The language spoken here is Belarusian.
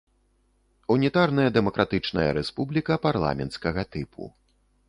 Унітарная дэмакратычная рэспубліка парламенцкага тыпу.